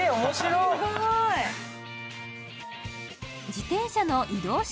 自転車の移動式